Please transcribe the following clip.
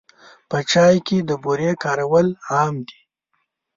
په چای کې د بوري کارول عام دي.